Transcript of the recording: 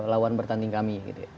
lawan pertanding kami